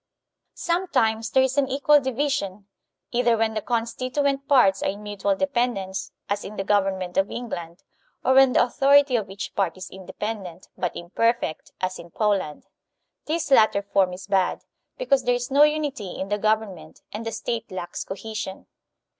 Sometimes there is an equal division, either when the constituent parts are in mutual dependence, as in the government of England; or when the authority of each part is independent, but imperfect, as in Poland. This latter form is bad, because there is no unity in the gov ernment, and the State lacks cohesion.